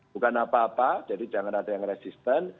bukan apa apa jadi jangan ada yang resisten